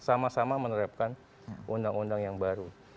sama sama menerapkan undang undang yang baru